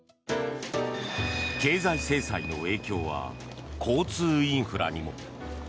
経済制裁の影響は交通インフラにも。